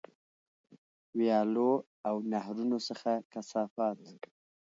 ویالو او نهرونو څخه کثافات.